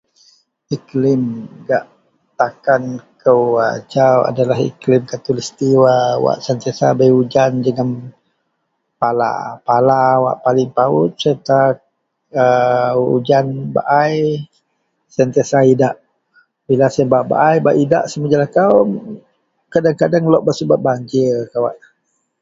iklim gak takan kou ajau adalah iklim khatulistiwa wak sentiasa bei ujan jegum pala, pala wak paling payut serta a ujan baai sentiasa idak, bila siyen bak baai bak idak sama jelakau kadeng-kadeng lok bak subet banjir kawak